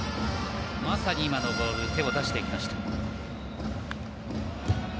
まさに今のボール手を出していきました。